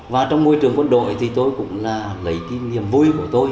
và trong môi trường quân đội thì tôi cũng là lấy kỷ niệm vui của tôi